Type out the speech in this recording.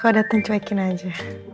kalau datang cuekin aja